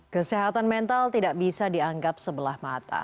kesehatan mental tidak bisa dianggap sebelah mata